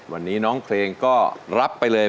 วันนี้น้องเพลงก็รับไปเลย